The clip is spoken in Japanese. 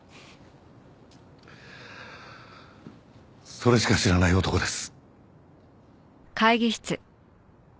それしか知らない男です。